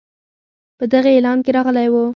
په دغه اعلان کې راغلی وو.